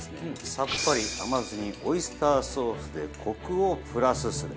さっぱり甘酢にオイスターソースでコクをプラスする。